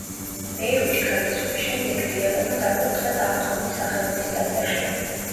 ბეირუთში გადასვლის შემდეგ დიაკვნად აკურთხეს აღდგომის სახელობის ტაძარში.